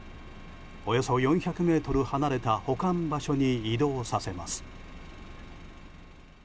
およそ４００ｍ離れた保管場所に移動させます。